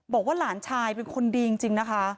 บอกว่าหลานชายเป็นคนดีจริงนะคะ